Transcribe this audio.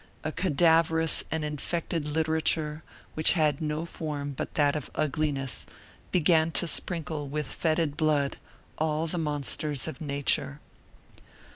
A cadaverous and infected literature which had no form but that of ugliness, began to sprinkle with fetid blood all the monsters of nature.